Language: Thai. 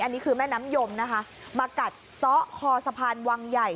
อันนี้คือแม่น้ำยมนะคะมากัดซ้อคอสะพานวังใหญ่